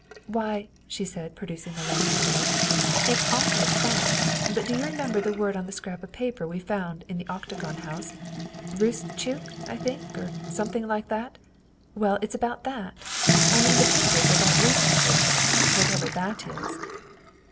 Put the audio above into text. '' Why, '' she said, producing the long envelope, " it 's awfully funny, but do you remember the word on the scrap of paper we found in the Octagon House Roost chook, I think, or something like that? Well, it's about that ; I mean the papers are about Roostchook whatever that is."